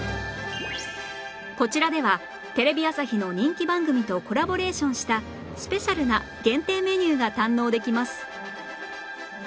こちらではテレビ朝日の人気番組とコラボレーションしたスペシャルな限定メニューが堪能できます